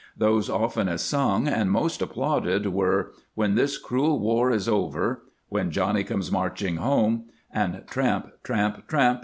Those oftenest sung and most applauded were, " When this cruel war is over," " When Johnny comes marching home," and " Tramp, tramp, tramp